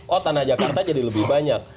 oh tanah jakarta jadi lebih banyak